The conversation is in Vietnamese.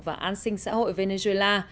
và an sinh xã hội venezuela